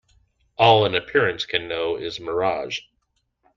All an appearance can know is mirage.